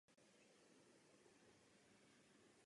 Hrál důležitou roli při bitvě u Varšavy.